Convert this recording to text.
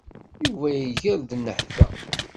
Yuba iger-d nnehta.